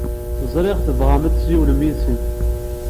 Ẓriɣ tebɣam ad tessiwlem yid-sent.